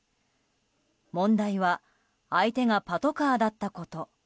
問題は相手がパトカーだったこと。